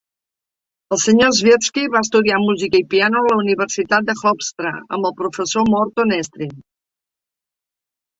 El Sr. Swirsky va estudiar música i piano a la Universitat de Hofstra amb el professor Morton Estrin.